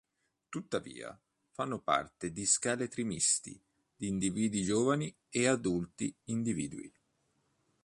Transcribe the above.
Tuttavia, fanno parte di scheletri misti di individui giovani e adulti individui.